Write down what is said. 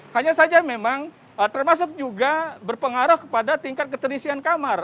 hanya saja memang termasuk juga berpengaruh kepada tingkat keterisian kamar